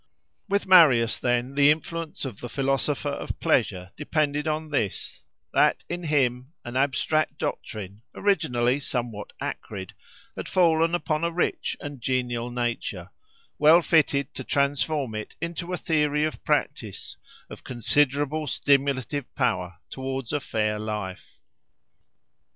With Marius, then, the influence of the philosopher of pleasure depended on this, that in him an abstract doctrine, originally somewhat acrid, had fallen upon a rich and genial nature, well fitted to transform it into a theory of practice, of considerable stimulative power towards a fair life.